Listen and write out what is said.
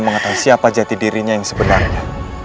mengetahui siapa jati dirinya yang sebenarnya